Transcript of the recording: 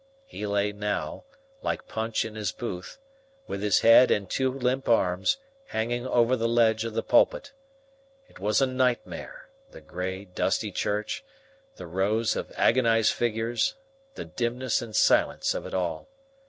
He lay now, like Punch in his booth, with his head and two limp arms hanging over the ledge of the pulpit. It was a nightmare, the grey, dusty church, the rows of agonized figures, the dimness and silence of it all.